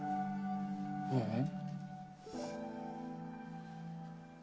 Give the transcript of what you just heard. ううん。